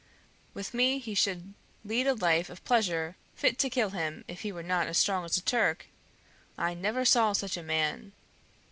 with me he should lead a life of pleasure fit to kill him if he were not as strong as a Turk! I never saw such a man!'